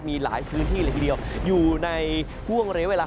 มีหลายพื้นที่เลยทีเดียวอยู่ในห่วงระยะเวลา